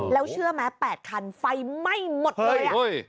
แล้วเชื่อไหม๘คันไฟไหม้หมดเลย